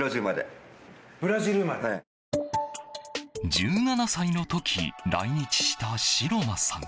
１７歳の時、来日した城間さん。